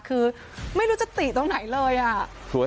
คือไม่รู้จะติตรงไหนเลยอ่ะ